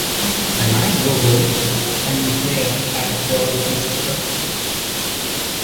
I might go home, and play at patball with my sister.